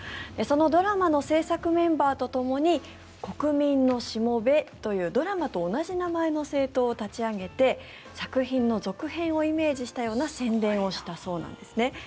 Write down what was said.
そのドラマの制作メンバーとともに国民のしもべというドラマと同じ名前の政党を立ち上げて作品の続編をイメージしたような宣伝をしたそうなんです。